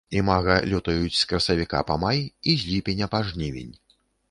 Імага лётаюць з красавіка па май і з ліпеня па жнівень.